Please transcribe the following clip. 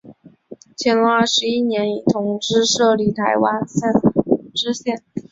乾隆二十一年以同知摄理台湾县知县。